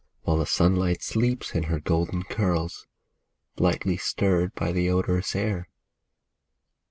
While the sunlight sleeps in her golden curls, Lightly stirred by the odorous air.